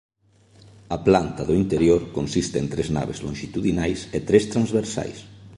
A planta do interior consiste en tres naves lonxitudinais e tres transversais.